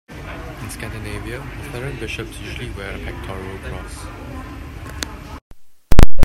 In Scandinavia Lutheran bishops usually wear a pectoral cross.